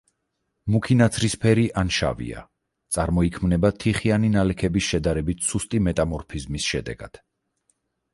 მუქი ნაცრისფერი ან შავია, წარმოიქმნება თიხიანი ნალექების შედარებით სუსტი მეტამორფიზმის შედეგად.